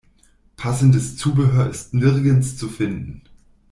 Passendes Zubehör ist nirgends zu finden.